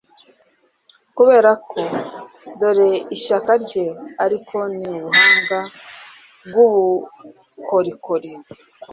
Kuberako dore ishyaka rye ariko ni ubuhanga bwubukorikori